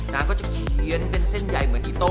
มันก็จะเขียนเส้นใหญ่เท่าไหร่